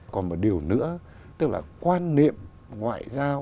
còn một điều nữa tức là quan niệm ngoại giao